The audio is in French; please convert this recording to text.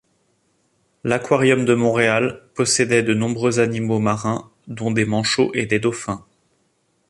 L'Aquarium de Montréal possédait de nombreux animaux marins, dont des manchots et des dauphins.